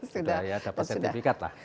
sudah dapat sertifikat lah